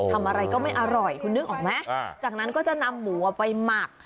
ทำอะไรก็ไม่อร่อยคุณนึกออกไหมจากนั้นก็จะนำหมูไปหมัก